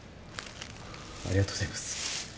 ありがとうございます。